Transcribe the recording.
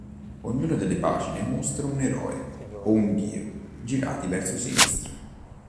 Ognuna delle pagine mostra un eroe o un dio, girati verso sinistra.